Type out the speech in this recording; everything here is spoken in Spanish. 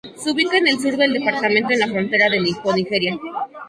Se ubica en el sur del departamento, en la frontera con Nigeria.